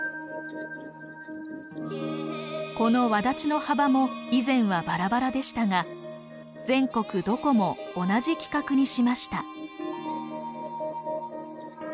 この轍の幅も以前はバラバラでしたが全国どこも同じ規格にしました。